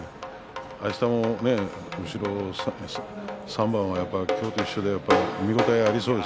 明日も後ろ３番今日と一緒で見応えがありそうです。